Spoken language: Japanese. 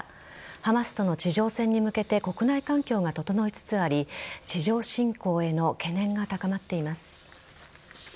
ハマスとの地上戦に向けて国内環境が整いつつあり地上侵攻への懸念が高まっています。